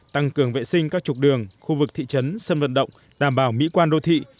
tăng cường vệ sinh các trục đường khu vực thị trấn sân vận động đảm bảo mỹ quan đô thị